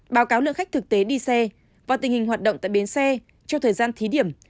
báo cáo lượng khách thực tế đi xe và tình hình hoạt động tại bến xe trong thời gian thí điểm